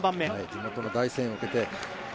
地元の大声援を受けて。